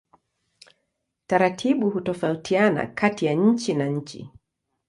Taratibu hutofautiana kati ya nchi na nchi.